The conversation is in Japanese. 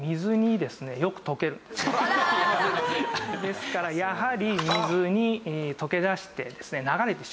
ですからやはり水に溶け出して流れてしまう。